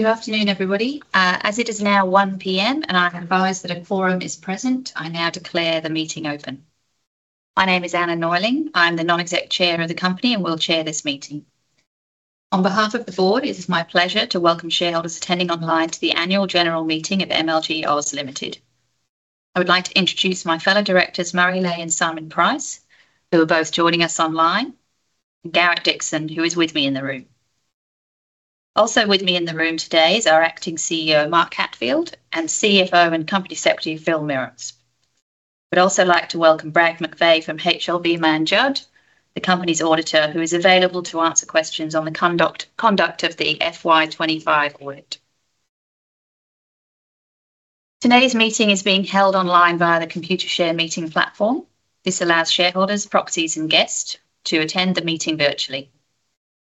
Good afternoon, everybody. As it is now 1:00 P.M., and I have advised that a quorum is present, I now declare the meeting open. My name is Anna Noerling. I'm the Non-executive Chair, of the company and will chair this meeting. On behalf of the board, it is my pleasure to welcome shareholders attending online to the Annual General Meeting of MLG Oz Limited. I would like to introduce my fellow directors, Murray Leahy and Simon Price, who are both joining us online, and Garrett Dixon, who is with me in the room. Also with me in the room today is our Acting CEO, Mark Hatfield, and CFO and Company Secretary, Phil Mirams. I would also like to welcome Brad McVeigh from HLB Mann Judd, the company's auditor, who is available to answer questions on the conduct of the FY25 audit. Today's meeting is being held online via the Computershare Meeting platform. This allows shareholders, proxies, and guests to attend the meeting virtually.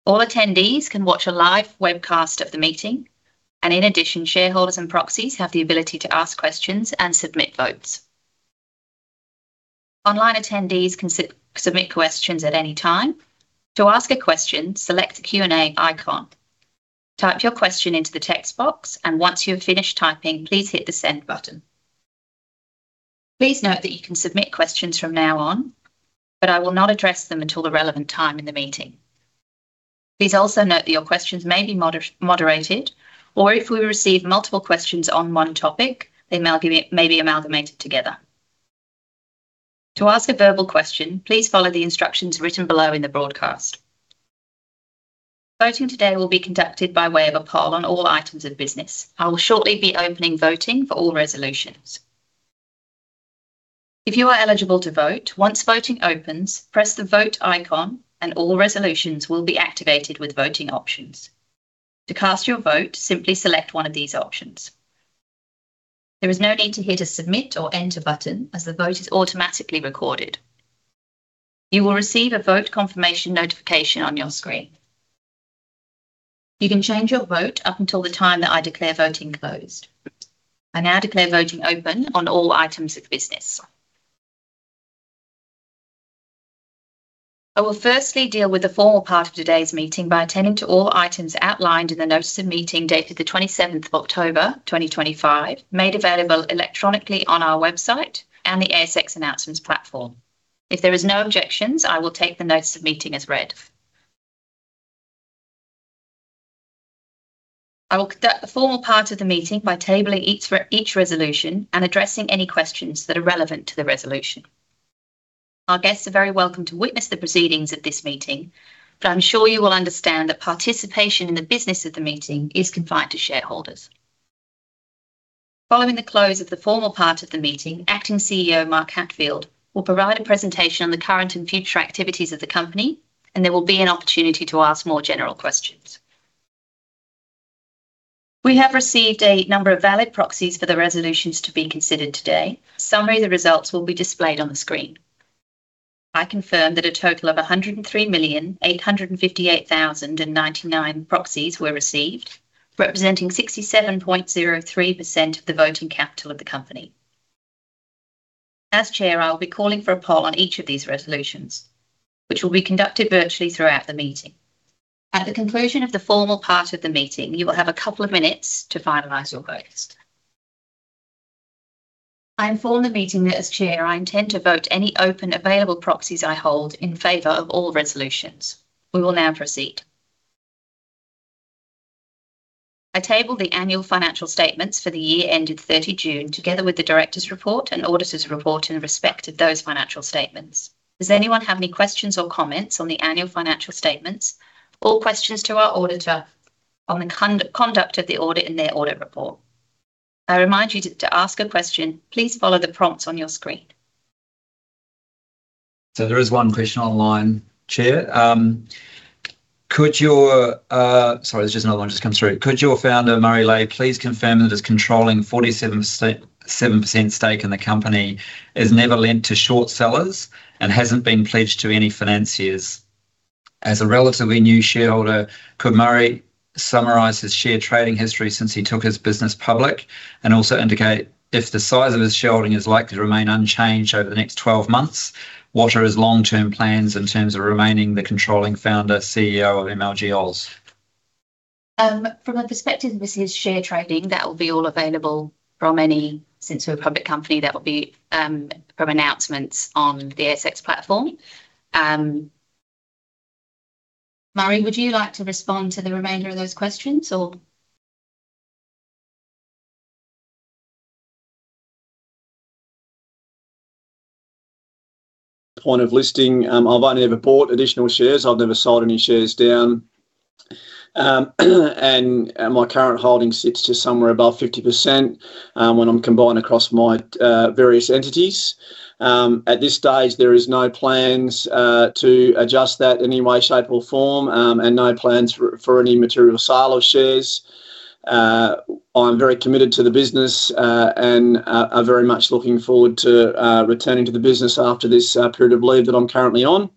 All attendees can watch a live webcast of the meeting, and in addition, shareholders and proxies have the ability to ask questions and submit votes. Online attendees can submit questions at any time. To ask a question, select the Q&A icon. Type your question into the text box, and once you've finished typing, please hit the Send button. Please note that you can submit questions from now on, but I will not address them until the relevant time in the meeting. Please also note that your questions may be moderated, or if we receive multiple questions on one topic, they may be amalgamated together. To ask a verbal question, please follow the instructions written below in the broadcast. Voting today will be conducted by way of a poll on all items of business. I will shortly be opening voting for all resolutions. If you are eligible to vote, once voting opens, press the Vote icon, and all resolutions will be activated with voting options. To cast your vote, simply select one of these options. There is no need to hit a Submit or Enter button, as the vote is automatically recorded. You will receive a vote confirmation notification on your screen. You can change your vote up until the time that I declare voting closed. I now declare voting open on all items of business. I will firstly deal with the formal part of today's meeting by attending to all items outlined in the notice of meeting dated the 27th of October, 2025, made available electronically on our website and the ASX announcements platform. If there are no objections, I will take the notice of meeting as read. I will conduct the formal part of the meeting by tabling each resolution and addressing any questions that are relevant to the resolution. Our guests are very welcome to witness the proceedings of this meeting, but I'm sure you will understand that participation in the business of the meeting is confined to shareholders. Following the close of the formal part of the meeting, Acting CEO Mark Hatfield, will provide a presentation on the current and future activities of the company, and there will be an opportunity to ask more general questions. We have received a number of valid proxies for the resolutions to be considered today. Summary of the results will be displayed on the screen. I confirm that a total of 103,858,099 proxies were received, representing 67.03%, of the voting capital of the company. As chair, I will be calling for a poll on each of these resolutions, which will be conducted virtually throughout the meeting. At the conclusion of the formal part of the meeting, you will have a couple of minutes to finalize your votes. I inform the meeting that, as chair, I intend to vote any open available proxies I hold in favor of all resolutions. We will now proceed. I tabled the annual financial statements for the year ended 30 June, together with the director's report and auditor's report in respect of those financial statements. Does anyone have any questions or comments on the annual financial statements or questions to our auditor on the conduct of the audit in their audit report? I remind you to ask a question. Please follow the prompts on your screen. There is one question online, chair. Could your—sorry, there's just another one just come through. Could your founder, Murray Leahy, please confirm that his controlling 47%, stake in the company has never lent to short sellers and hasn't been pledged to any financiers? As a relatively new shareholder, could Murray, summarize his share trading history since he took his business public and also indicate if the size of his shareholding is likely to remain unchanged over the next 12 months? What are his long-term plans in terms of remaining the controlling founder, CEO of MLG Oz? From the perspective of his share trading, that will be all available from any—since we're a public company—that will be from announcements on the ASX platform. Murray, would you like to respond to the remainder of those questions, or? Point of listing, I've only ever bought additional shares. I've never sold any shares down, and my current holding sits to somewhere above 50%, when I'm combined across my various entities. At this stage, there are no plans to adjust that in any way, shape, or form, and no plans for any material sale of shares. I'm very committed to the business and am very much looking forward to returning to the business after this period of leave that I'm currently on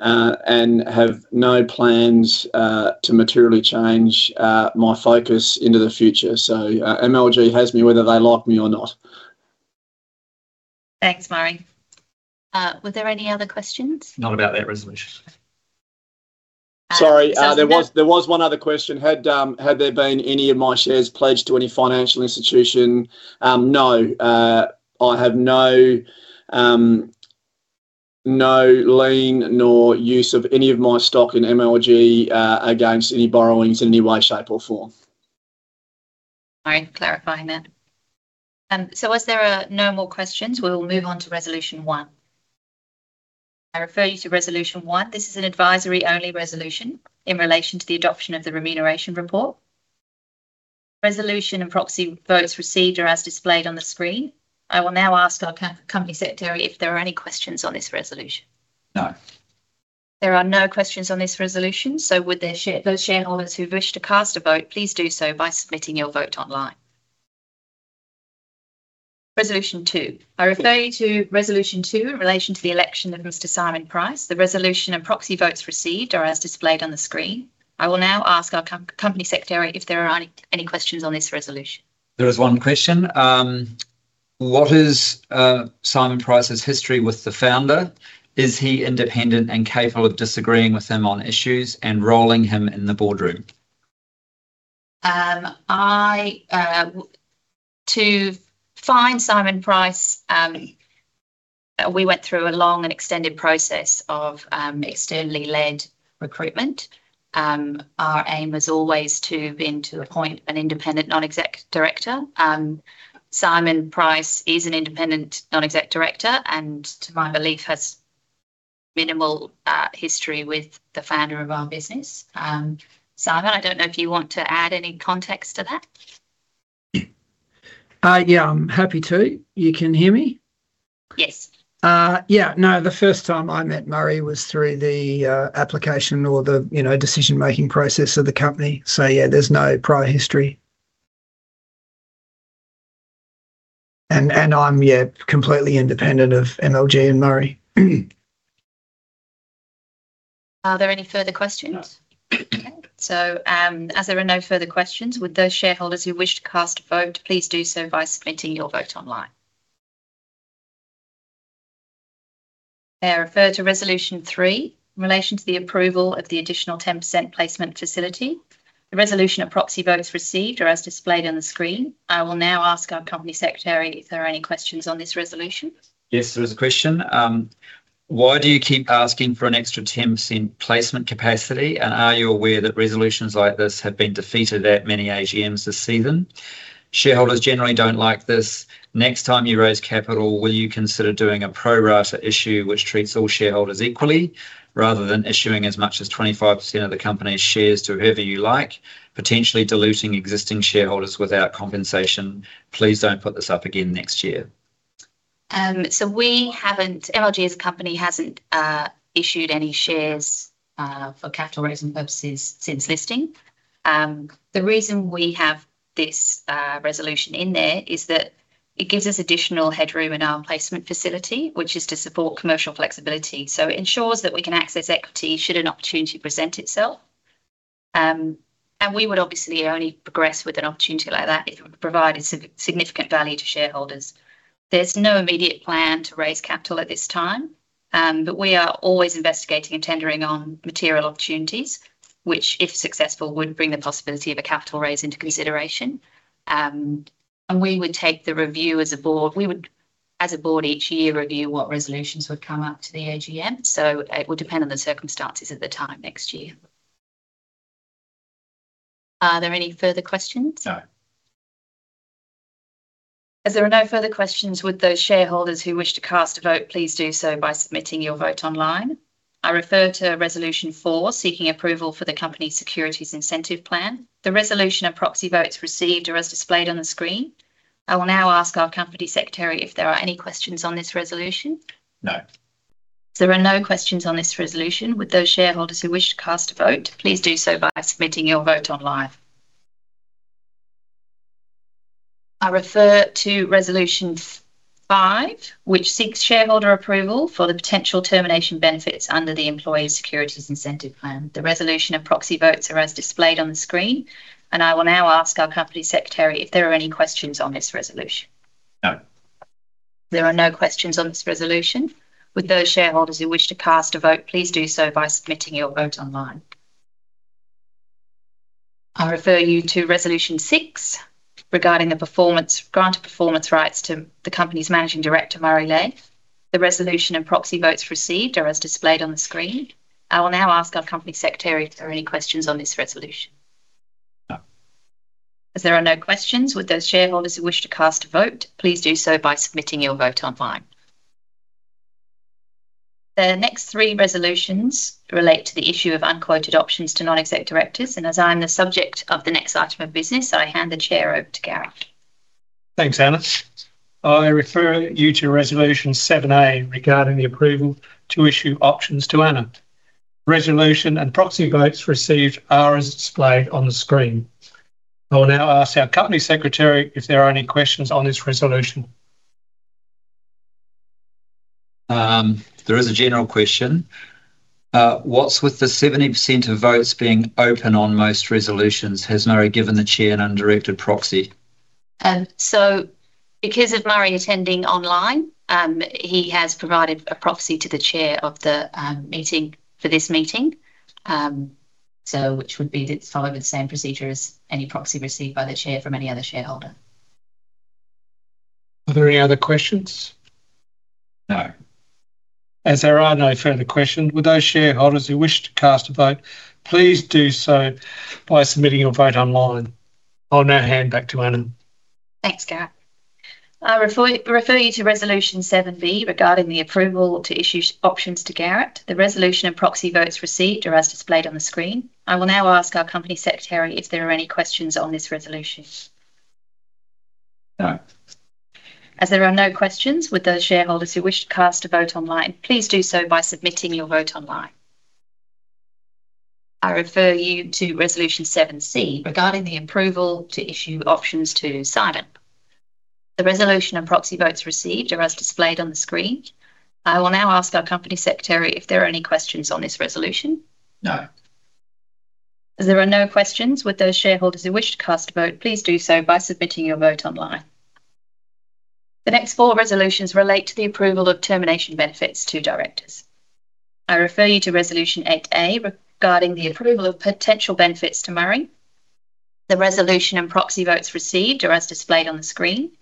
and have no plans to materially change my focus into the future. MLG has me, whether they like me or not. Thanks, Murray. Were there any other questions? Not about that resolution. Sorry, there was one other question. Had there been any of my shares pledged to any financial institution? No. I have no lien nor use of any of my stock in MLG, against any borrowings in any way, shape, or form. Sorry, clarifying that. As there are no more questions, we will move on to resolution one. I refer you to resolution one. This is an advisory-only resolution in relation to the adoption of the remuneration report. Resolution and proxy votes received are as displayed on the screen. I will now ask our Company Secretary, if there are any questions on this resolution. No. There are no questions on this resolution, so would those shareholders who wish to cast a vote, please do so by submitting your vote online. Resolution two. I refer you to resolution two in relation to the election of Mr. Simon Price. The resolution and proxy votes received are as displayed on the screen. I will now ask our Company Secretary, if there are any questions on this resolution. There is one question. What is Simon Price's history with the founder? Is he independent and capable of disagreeing with them on issues and rolling him in the boardroom? To find Simon Price, we went through a long and extended process of externally-led recruitment. Our aim has always been to appoint an independent non-exec director. Simon Price, is an independent non-exec director and, to my belief, has minimal history with the founder of our business. Simon, I don't know if you want to add any context to that. Yeah, I'm happy to. You can hear me? Yes. Yeah. No, the first time I met Murray was through the application or the decision-making process of the company. Yeah, there's no prior history. I'm completely independent of MLG and Murray. Are there any further questions? No. Okay. As there are no further questions, would those shareholders who wish to cast a vote please do so by submitting your vote online. I refer to resolution three, in relation to the approval of the additional 10% Placement Facility. The resolution and proxy votes received are as displayed on the screen. I will now ask our Company Secretary, if there are any questions on this resolution. Yes, there is a question. Why do you keep asking for an extra 10% placement capacity? Are you aware that resolutions like this have been defeated at many AGMs this season? Shareholders generally do not like this. Next time you raise capital, will you consider doing a pro-rata issue which treats all shareholders equally rather than issuing as much as 25%, of the company's shares to whoever you like, potentially diluting existing shareholders without compensation? Please do not put this up again next year. MLG as a company has not issued any shares for capital raising purposes since listing. The reason we have this resolution in there is that it gives us additional headroom in our placement facility, which is to support commercial flexibility. It ensures that we can access equity should an opportunity present itself. We would obviously only progress with an opportunity like that if it would provide significant value to shareholders. There is no immediate plan to raise capital at this time, but we are always investigating and tendering on material opportunities, which, if successful, would bring the possibility of a capital raise into consideration. We would take the review as a board. We would, as a board, each year review what resolutions would come up to the AGM. It would depend on the circumstances at the time next year. Are there any further questions? No. As there are no further questions, would those shareholders who wish to cast a vote, please do so by submitting your vote online. I refer to resolution four, seeking approval for the company's securities incentive plan. The resolution and proxy votes received are as displayed on the screen. I will now ask our Company Secretary, if there are any questions on this resolution. No. There are no questions on this resolution. With those shareholders who wish to cast a vote, please do so by submitting your vote online. I refer to resolution five, which seeks shareholder approval for the potential termination benefits under the employee securities incentive plan. The resolution and proxy votes are as displayed on the screen. I will now ask our Company Secretary if there are any questions on this resolution. No. There are no questions on this resolution. With those shareholders who wish to cast a vote, please do so by submitting your vote online. I refer you to resolution six regarding the performance granted performance rights to the company's Managing Director, Murray Leahy. The resolution and proxy votes received are as displayed on the screen. I will now ask our Company Secretary, if there are any questions on this resolution. No. As there are no questions, would those shareholders who wish to cast a vote, please do so by submitting your vote online. The next three resolutions relate to the issue of unquoted options to non-exec directors. As I'm the subject of the next item of business, I hand the chair over to Garrett. Thanks, Anna. I refer you to resolution 7A, regarding the approval to issue options to Anna. Resolution and proxy votes received are as displayed on the screen. I will now ask our Company Secretary, if there are any questions on this resolution. There is a general question. What's with the 70% ,of votes being open on most resolutions? Has Murray, given the chair an undirected proxy? Because of Murray, attending online, he has provided a proxy to the Chair of the meeting for this meeting, which would be followed with the same procedure as any proxy received by the Chair from any other shareholder. Are there any other questions? No. As there are no further questions, would those shareholders who wish to cast a vote, please do so by submitting your vote online. I'll now hand back to Anna. Thanks, Garett. I refer you to resolution 7B, regarding the approval to issue options to Garett. The resolution and proxy votes received are as displayed on the screen. I will now ask our Company Secretary, if there are any questions on this resolution. No. As there are no questions, would those shareholders who wish to cast a vote online, please do so by submitting your vote online. I refer you to resolution 7C, regarding the approval to issue options to Simon. The resolution and proxy votes received are as displayed on the screen. I will now ask our Company Secretary, if there are any questions on this resolution. No. As there are no questions, would those shareholders who wish to cast a vote, please do so by submitting your vote online. The next four resolutions relate to the approval of termination benefits to directors. I refer you to resolution 8A, regarding the approval of potential benefits to Murray. The resolution and proxy votes received are as displayed on the screen.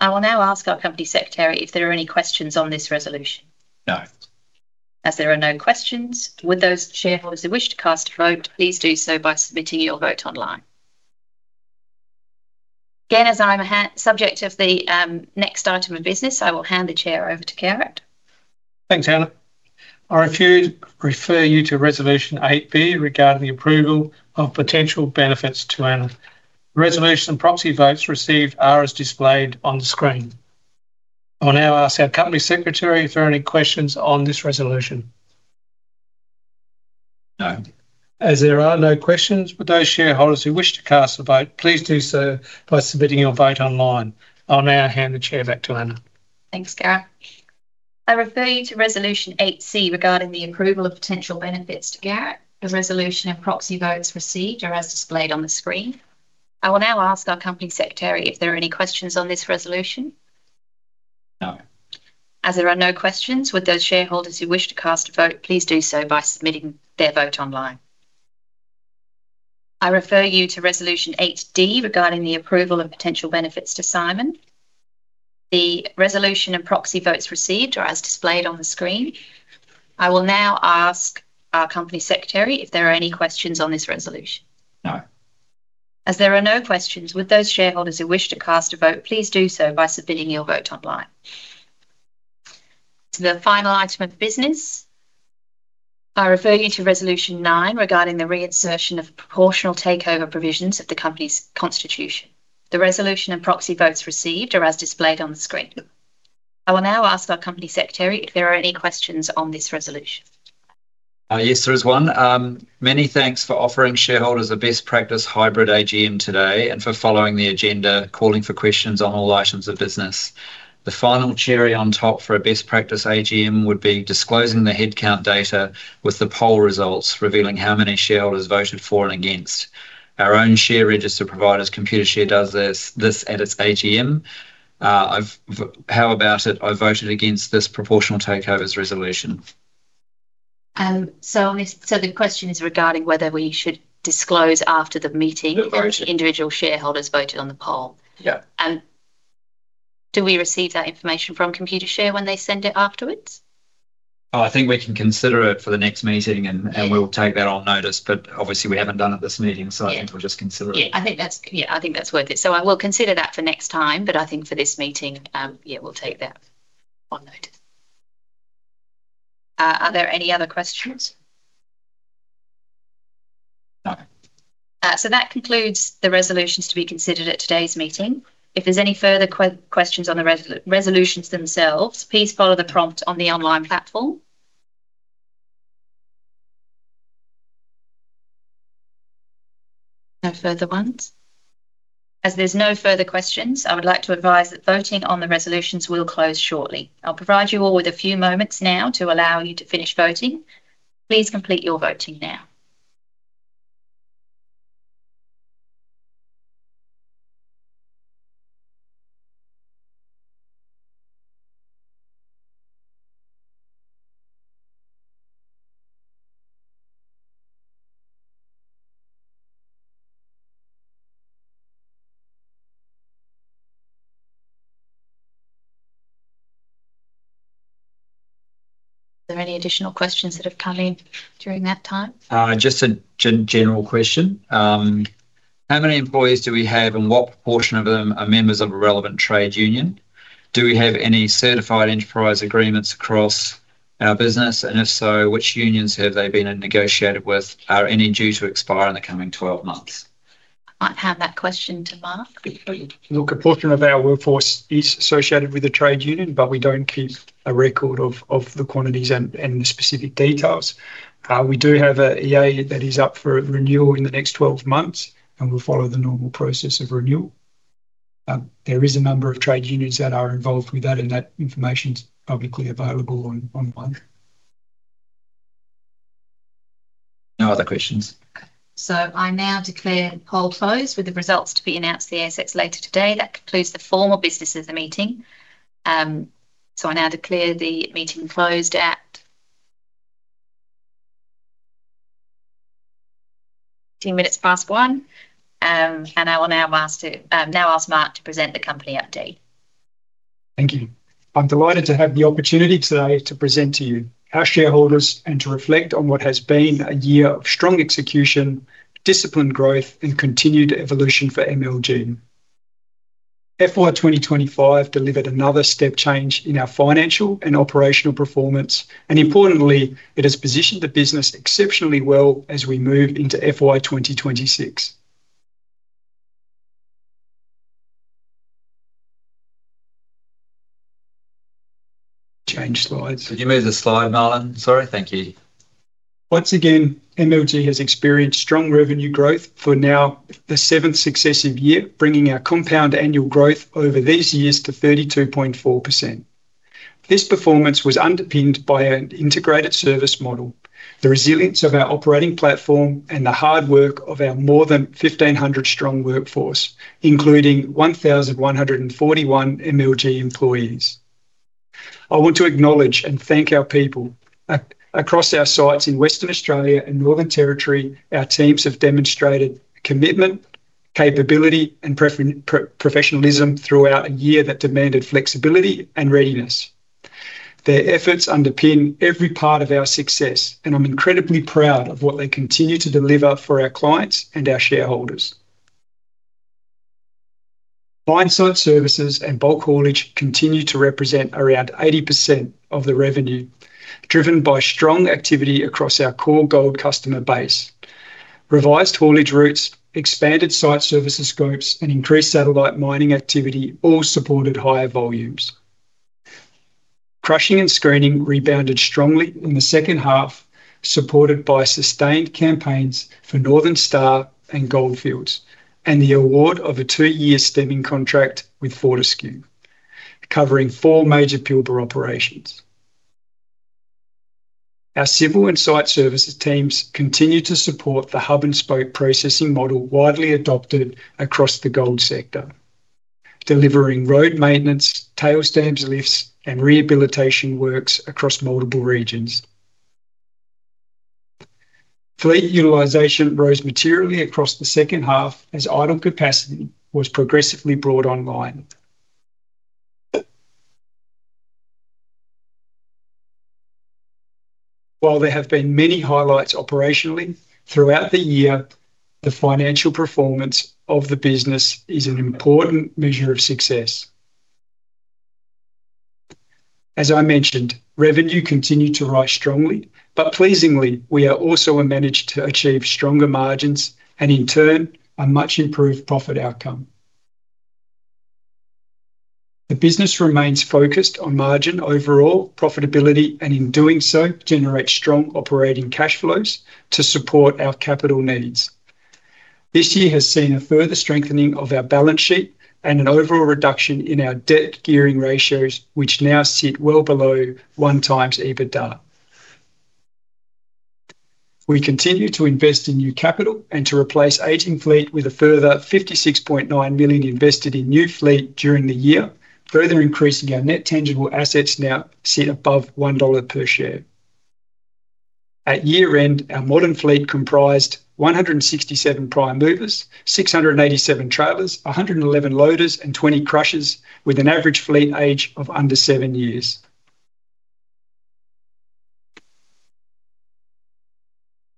I will now ask our Company Secretary, if there are any questions on this resolution. No. As there are no questions, would those shareholders who wish to cast a vote, please do so by submitting your vote online. Again, as I'm a subject of the next item of business, I will hand the chair over to Garrett. Thanks, Anna. I refer you to resolution 8B, regarding the approval of potential benefits to Anna. Resolution and proxy votes received are as displayed on the screen. I will now ask our Company Secretary, if there are any questions on this resolution. No. As there are no questions, would those shareholders who wish to cast a vote, please do so by submitting your vote online. I'll now hand the chair back to Anna. Thanks, Garrett. I refer you to resolution 8C, regarding the approval of potential benefits to Garrett. The resolution and proxy votes received are as displayed on the screen. I will now ask our Company Secretary, if there are any questions on this resolution. No. As there are no questions, would those shareholders who wish to cast a vote, please do so by submitting their vote online. I refer you to resolution 8D, regarding the approval of potential benefits to Simon. The resolution and proxy votes received are as displayed on the screen. I will now ask our Company Secretary, if there are any questions on this resolution. No. As there are no questions, would those shareholders who wish to cast a vote, please do so by submitting your vote online. The final item of business, I refer you to resolution 9, regarding the reinsertion of proportional takeover provisions of the company's constitution. The resolution and proxy votes received are as displayed on the screen. I will now ask our Company Secretary, if there are any questions on this resolution. Yes, there is one. Many thanks for offering shareholders a best practice hybrid AGM, today and for following the agenda calling for questions on all items of business. The final cherry on top for a best practice AGM, would be disclosing the headcount data with the poll results revealing how many shareholders voted for and against. Our own share register providers, Computershare, does this at its AGM. How about it? I voted against this proportional takeovers resolution. The question is regarding whether we should disclose after the meeting that individual shareholders voted on the poll. Yeah. Do we receive that information from Computershare when they send it afterwards? I think we can consider it for the next meeting, and we'll take that on notice. Obviously, we haven't done it this meeting, so I think we'll just consider it. I think that's worth it. I will consider that for next time, but I think for this meeting, yeah, we'll take that on notice. Are there any other questions? No. That concludes the resolutions to be considered at today's meeting. If there's any further questions on the resolutions themselves, please follow the prompt on the online platform. No further ones. As there's no further questions, I would like to advise that voting on the resolutions will close shortly. I'll provide you all with a few moments now to allow you to finish voting. Please complete your voting now. Are there any additional questions that have come in during that time? Just a general question. How many employees do we have, and what proportion of them are members of a relevant trade union? Do we have any certified enterprise agreements across our business? If so, which unions have they been negotiated with? Are any due to expire in the coming 12 months? I have that question to Matt. Look, a portion of our workforce is associated with the trade union, but we do not keep a record of the quantities and the specific details. We do have an EA, that is up for renewal in the next 12 months, and we will follow the normal process of renewal. There is a number of trade unions that are involved with that, and that information is publicly available online. No other questions. Okay. I now declare the poll closed with the results to be announced to the ASX later today. That concludes the formal business of the meeting. I now declare the meeting closed at 1:10 P.M. I will now ask Mark to present the company update. Thank you. I'm delighted to have the opportunity today to present to you our shareholders and to reflect on what has been a year of strong execution, disciplined growth, and continued evolution for MLG. FY 2025 delivered another step change in our financial and operational performance. Importantly, it has positioned the business exceptionally well as we move into FY 2026. Change slides. Could you move the slide, Marlon? Sorry. Thank you. Once again, MLG has experienced strong revenue growth for now the seventh successive year, bringing our compound annual growth, over these years to 32.4%. This performance was underpinned by an integrated service model, the resilience of our operating platform, and the hard work of our more than 1,500 strong workforce, including 1,141 MLG employees. I want to acknowledge and thank our people. Across our sites in Western Australia and Northern Territory, our teams have demonstrated commitment, capability, and professionalism throughout a year that demanded flexibility and readiness. Their efforts underpin every part of our success, and I'm incredibly proud of what they continue to deliver for our clients and our shareholders. Fine site services and bulk haulage continue to represent around 80%, of the revenue, driven by strong activity across our core gold customer base. Revised haulage routes, expanded site services groups, and increased satellite mining activity all supported higher volumes. Crushing and screening rebounded strongly in the second half, supported by sustained campaigns for Northern Star and Gold Fields, and the award of a two-year stemming contract with Fortescue, covering four major Pilbara operations. Our civil and site services teams, continue to support the hub-and-spoke processing model widely adopted across the gold sector, delivering road maintenance, tailstems lifts, and rehabilitation works across multiple regions. Fleet utilization, rose materially across the second half as idle capacity was progressively brought online. While there have been many highlights operationally throughout the year, the financial performance of the business is an important measure of success. As I mentioned, revenue continued to rise strongly, but pleasingly, we also managed to achieve stronger margins and, in turn, a much improved profit outcome. The business remains focused on margin overall profitability and, in doing so, generates strong operating cash flows to support our capital needs. This year has seen a further strengthening of our balance sheet and an overall reduction in our debt gearing ratios, which now sit well below one-times EBITDA. We continue to invest in new capital and to replace aging fleet with a further $56.9 million, invested in new fleet during the year, further increasing our net tangible assets, now sit above $1 per share. At year-end, our modern fleet comprised 167 prime movers, 687 trailers, 111 loaders, and 20 crushers, with an average fleet age of under seven years.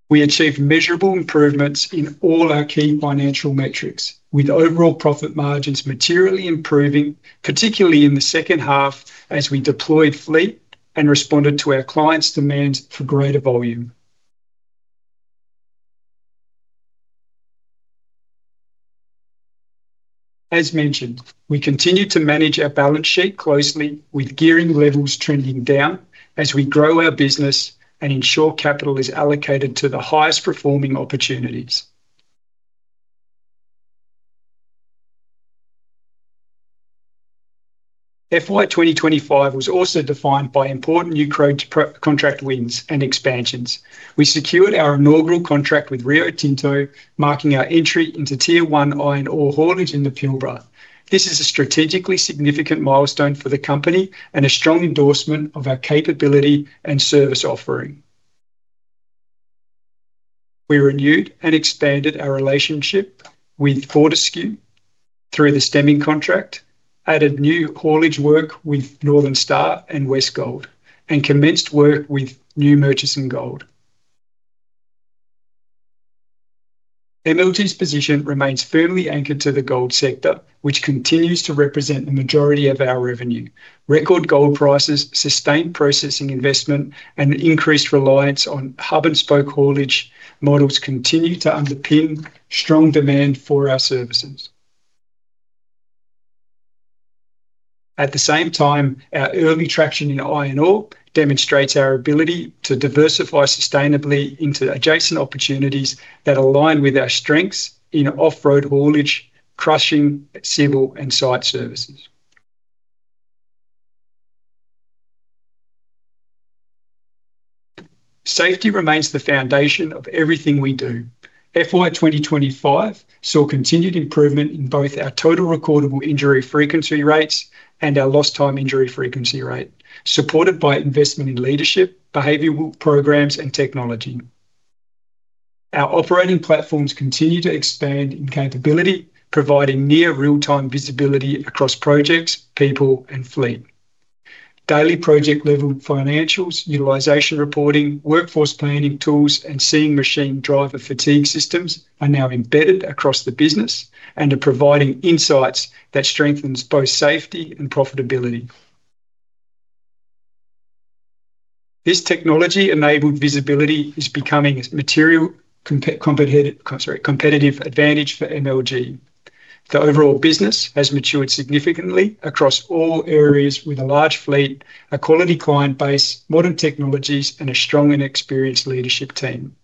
We achieved measurable improvements in all our key financial metrics, with overall profit margins materially improving, particularly in the second half as we deployed fleet and responded to our clients' demands for greater volume. As mentioned, we continue to manage our balance sheet closely, with gearing levels trending down as we grow our business and ensure capital is allocated to the highest performing opportunities. FY 2025 was also defined by important new contract wins and expansions. We secured our inaugural contract with Rio Tinto, marking our entry into tier one iron ore haulage in the Pilbara. This is a strategically significant milestone for the company and a strong endorsement of our capability and service offering. We renewed and expanded our relationship with Fortescue, through the stemming contract, added new haulage work with Northern Star and Westgold, and commenced work with New Murchison Gold. MLG's, position remains firmly anchored to the gold sector, which continues to represent the majority of our revenue. Record gold prices, sustained processing investment, and increased reliance on hub-and-spoke haulage models continue to underpin strong demand for our services. At the same time, our early traction in iron ore demonstrates our ability to diversify sustainably into adjacent opportunities that align with our strengths in off-road haulage, crushing, civil, and site services. Safety remains the foundation of everything we do. FY 2025 saw continued improvement in both our total recordable injury frequency rates and our lost-time injury frequency rate, supported by investment in leadership, behavioral programs, and technology. Our operating platforms continue to expand in capability, providing near real-time visibility across projects, people, and fleet. Daily project-level financials, utilization reporting, workforce planning tools, and Seeing Machine Driver Fatigue Systems, are now embedded across the business and are providing insights that strengthen both safety and profitability. This technology-enabled visibility is becoming a material competitive advantage for MLG. The overall business has matured significantly across all areas with a large fleet, a quality client base, modern technologies, and a strong and experienced leadership team.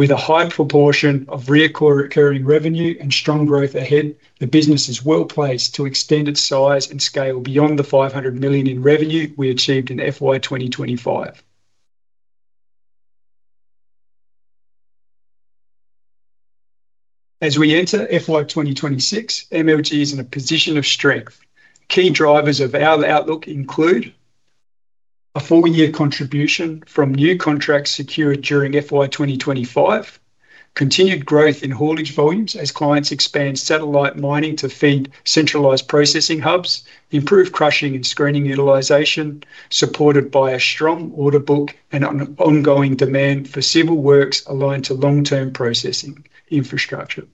With a high proportion of recurring revenue and strong growth ahead, the business is well placed to extend its size and scale beyond the 500 million, in revenue, we achieved in FY 2025. As we enter FY 2026, MLG, is in a position of strength. Key drivers of our outlook include a four-year contribution from new contracts secured during FY 2025, continued growth in haulage volumes as clients expand satellite mining to feed centralized processing hubs, improved crushing and screening utilization, supported by a strong order book and ongoing demand for civil works aligned to long-term processing infrastructure.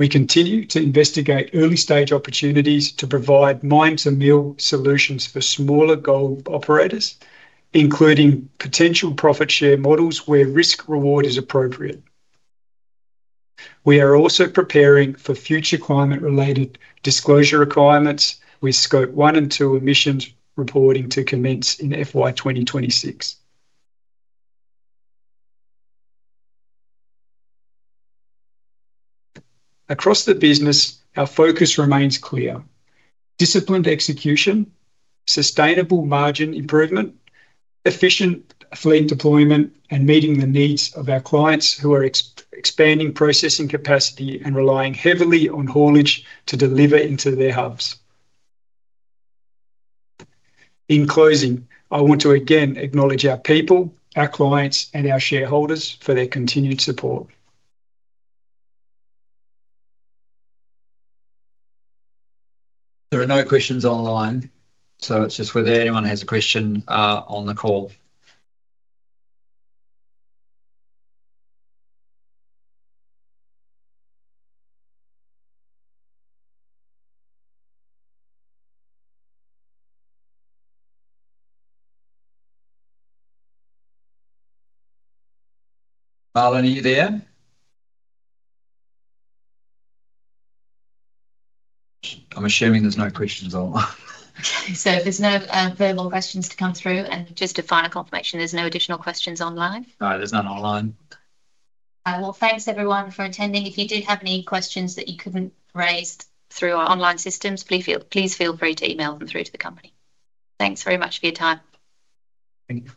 We continue to investigate early-stage opportunities to provide mine-to-mill solutions for smaller gold operators, including potential profit share models where risk-reward is appropriate. We are also preparing for future climate-related disclosure requirements with scope one and two emissions reporting to commence in FY 2026. Across the business, our focus remains clear: disciplined execution, sustainable margin improvement, efficient fleet deployment, and meeting the needs of our clients who are expanding processing capacity and relying heavily on haulage to deliver into their hubs. In closing, I want to again acknowledge our people, our clients, and our shareholders for their continued support. There are no questions online, so it's just whether anyone has a question on the call. Marlon, are you there? I'm assuming there's no questions online. Okay. If there's no further questions to come through, and just a final confirmation, there's no additional questions online? No, there's none online. Thanks everyone for attending. If you did have any questions that you couldn't raise through our online systems, please feel free to email them through to the company. Thanks very much for your time. Thank you.